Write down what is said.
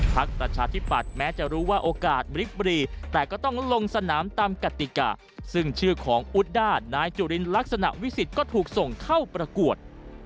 ประชาธิปัตย์แม้จะรู้ว่าโอกาสบริฟบรีแต่ก็ต้องลงสนามตามกติกาซึ่งชื่อของอุดด้านายจุลินลักษณะวิสิทธิ์ก็ถูกส่งเข้าประกวด